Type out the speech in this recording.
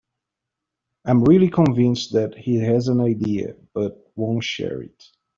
I am really convinced that he has an idea but won't share it.